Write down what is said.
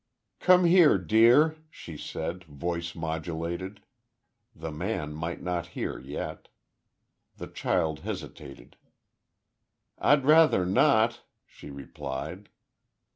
"Come here, dear," she said, voice modulated. The man might not hear yet. The child hesitated. "I'd rather not," she replied.